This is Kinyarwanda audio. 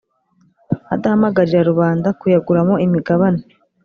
adahamagarira rubanda kuyaguramo imigabane.